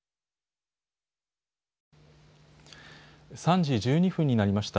３時１２分になりました。